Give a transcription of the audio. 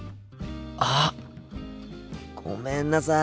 あ。ごめんなさい。